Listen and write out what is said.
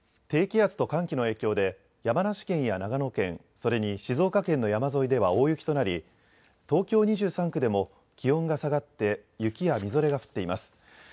低気圧と寒気の影響で山梨県や長野県、それに静岡県の山沿いでは大雪となり東京２３区でも気温が下がって雪やみぞれが降っています。